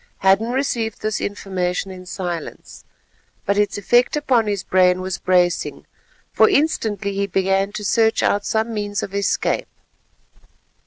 Hadden received this information in silence, but its effect upon his brain was bracing, for instantly he began to search out some means of escape.